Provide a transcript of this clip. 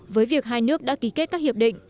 với việc hai nước đã ký kết các hiệp định